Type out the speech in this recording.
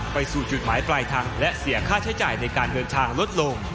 ไปสู่จุดหมายปลายทางและเสียค่าใช้จ่ายในการเดินทางลดลง